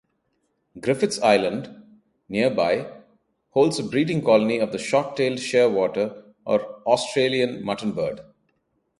Griffiths Island nearby holds a breeding colony of the short-tailed shearwater or Australian muttonbird.